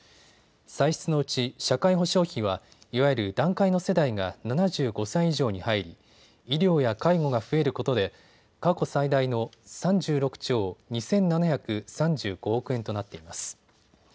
歳出のうち社会保障費はいわゆる団塊の世代が７５歳以上に入り医療や介護が増えることで過去最大の３６兆２７３５億円となっています。